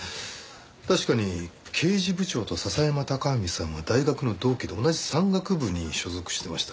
確かに刑事部長と笹山隆文さんは大学の同期で同じ山岳部に所属してました。